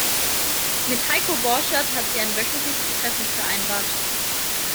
Mit Heiko Borchert hat sie ein wöchentliches Treffen vereinbart.